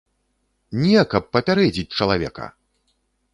Не, каб папярэдзіць чалавека!